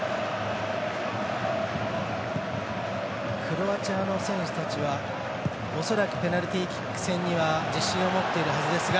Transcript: クロアチアの選手たちは恐らくペナルティーキック戦には自信を持っているはずですが。